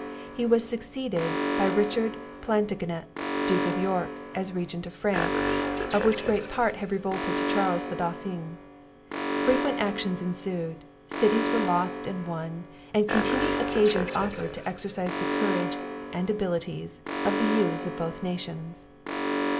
He was succeeded by Richard Plantagenet, Duke of York, as Regent of France, of which great part had revolted to Charles the Dauphin. Frequent actions ensued. Cities were lost and won; and continual occasions offered to exercise the courage, and abilities, of the youths of both nations.